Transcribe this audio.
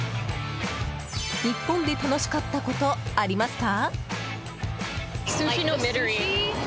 日本で楽しかったことありますか？